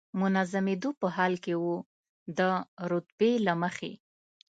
منظمېدو په حال کې و، د رتبې له مخې.